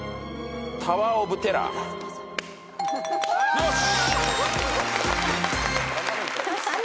よし！